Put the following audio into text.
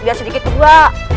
biar sedikit juga